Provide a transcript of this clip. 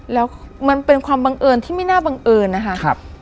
แล้วมันเป็นความบังเอิญที่ไม่น่าบังเอิญนะคะ